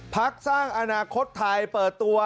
พักสร้างอนาคตไทยเปิดตัว